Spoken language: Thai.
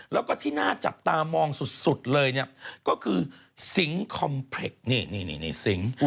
แล้วก็ที่น่าจับตามองสุดเลยก็คือซิงคอมเพล็กนี่ซิง